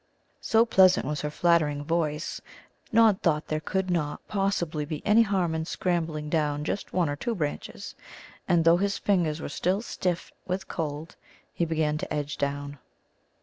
So pleasant was her flattering voice Nod thought there could not possibly be any harm in scrambling down just one or two branches. And though his fingers were still stiff with cold, he began to edge down.